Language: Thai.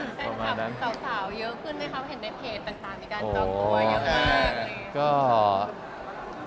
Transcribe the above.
แฟนคลับสาวเยอะขึ้นนะครับเห็นในเพจต่างที่การจ้องตัวอย่างนี้